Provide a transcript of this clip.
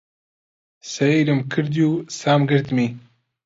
سەیرم کردی و سام گرتمی.